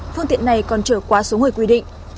phương tiện này còn trở quá số người quy định